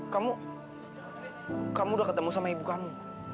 kamu sudah bertemu dengan ibu kamu